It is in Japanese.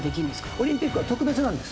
オリンピックは特別なんです。